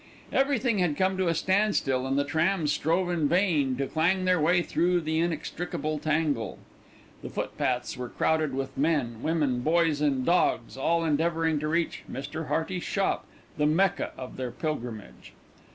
Everything had come to a standstill and the trams strove in vain to clang their way through the inextricable tangle. The footpaths were crowded with men, women, boys, and dogs, all endeavouring to reach Mr. Hearty's shop, the Mecca of their pilgrimage.